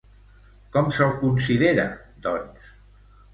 Com se'l considera, doncs?